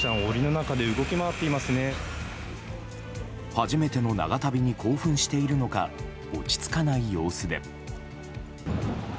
初めての長旅に興奮しているのか落ち着かない様子で。